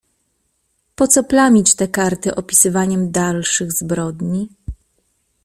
"Poco plamić te karty opisywaniem dalszych zbrodni?"